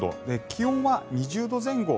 気温は２０度前後。